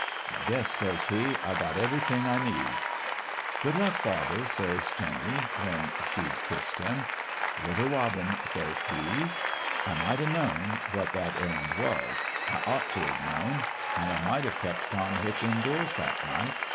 ' I guess,' says he, ' I got everything I need.' "' Good luck, father 1 ' said Jinny, when she'd kissed him. "' Little robin 1 ' says he. " I might have known what that errand was. I ought to have known. And I might have kept Tom Hitch indoors that night.